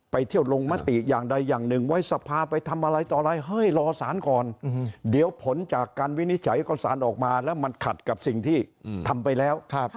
พิจารย์ก็สารออกมาแล้วมันขัดกับสิ่งที่ทำไปแล้ว